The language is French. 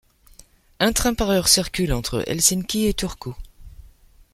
Un train par heure circule entre Helsinki et Turku.